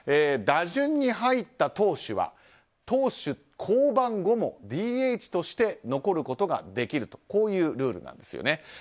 打順に入った投手は投手降板後もＤＨとして残ることができるというルールなんです。